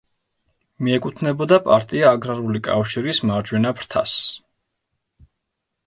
მიეკუთვნებოდა პარტია აგრარული კავშირის მარჯვენა ფრთას.